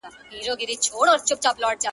پرېږده چي وپنځوي ژوند ته د موسی معجزې